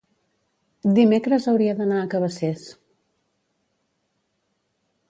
dimecres hauria d'anar a Cabacés.